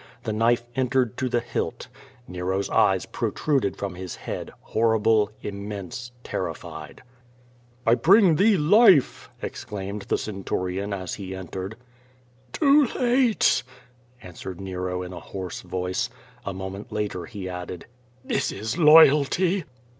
The knife entered to the hilt. Nero's eyes protruded from his head, horrible, immense, ter rified. "I bring thee life," exclaimed the centurion as he entered. "Too late,'' answered Xero in a hoarse voice. A moment later he added: "This is loyalty."